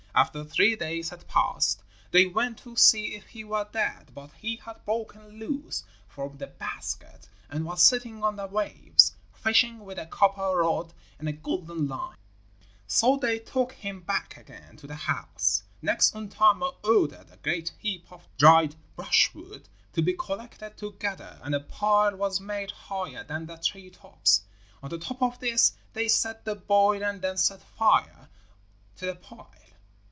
After three days had passed they went to see if he were dead, but he had broken loose from the basket and was sitting on the waves, fishing with a copper rod and a golden line; so they took him back again to the house. Next Untamo ordered a great heap of dried brushwood to be collected together, and a pile was made higher than the tree tops; on the top of this they set the boy and then set fire to the pile.